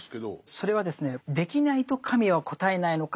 それはですねできないと神は応えないのかと。